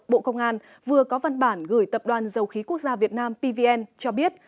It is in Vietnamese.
bộ công an vừa có văn bản gửi tập đoàn dầu khí quốc gia việt nam pvn cho biết